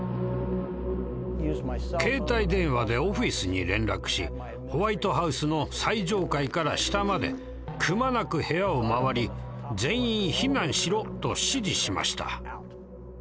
携帯電話でオフィスに連絡しホワイトハウスの最上階から下までくまなく部屋を回り「全員避難しろ」と指示しました。